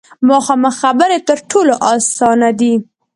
مخامخ خبرې تر ټولو اسانه دي.